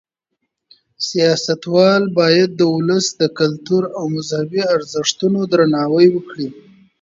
سیاستوال باید د ولس د کلتور او مذهبي ارزښتونو درناوی وکړي.